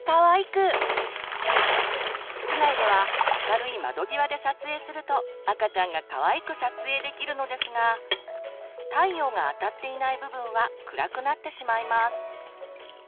室内では明るい窓際で撮影すると赤ちゃんがかわいく撮影できるのですが太陽があたっていない部分は暗くなってしまいます。